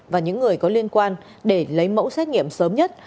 và những người có liên quan để lấy mẫu xét nghiệm sớm nhất